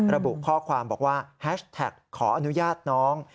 ระบุข้อความบอกว่าแฮชแท็กขออนุญาตน้อง